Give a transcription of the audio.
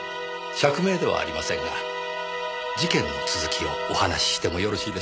釈明ではありませんが事件の続きをお話ししてもよろしいでしょうか？